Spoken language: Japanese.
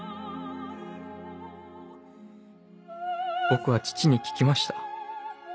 僕は父に聞きました。